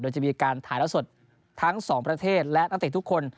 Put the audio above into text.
โดยจะมีการถ่ายแล้วสดทั้งสองประเทศและนักเตะทุกคน